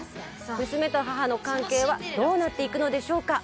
娘と母の関係はどうなっていくのでしょうか？